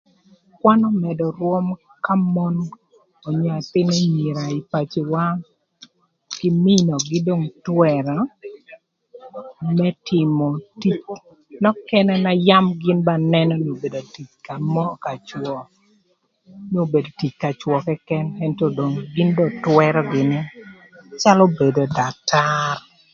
Kwan ömëdö rwöm ka mon onyo ëthïn anyira ï peciwa kï mïögï dong twërö më tïmö tic nökënë na yam gïn ba nënö nï obedo tic ka mon onyo cwö nï obedo tic ka cwö këkën ëntö dong gïn dong twërö gïnï, calö bedo daktar.